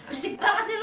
risik banget sih lo